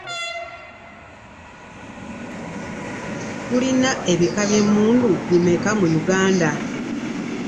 Tulina ebika by'emmundu bimeka mu Uganda?